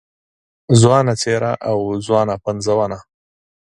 ځوانه څېره او ځوانه پنځونه